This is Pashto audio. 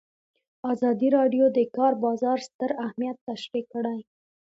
ازادي راډیو د د کار بازار ستر اهميت تشریح کړی.